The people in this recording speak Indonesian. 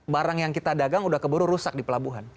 barang yang kita dagang udah keburu rusak di pelabuhan